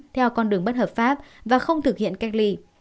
theo con đường bất hợp pháp và không thực hiện cách ly